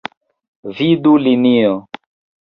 Vidu linio.